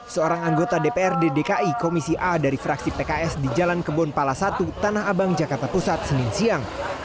seorang anggota dprd dki komisi a dari fraksi pks di jalan kebon pala satu tanah abang jakarta pusat senin siang